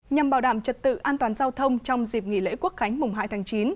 nhằm bảo đảm trật tự an toàn giao thông trong dịp nghỉ lễ quốc khánh mùng hai tháng chín